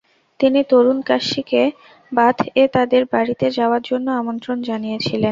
তিনি তরুণ ক্যাসিকে বাথ -এ তাদের বাড়িতে যাওয়ার জন্য আমন্ত্রণ জানিয়েছিলেন।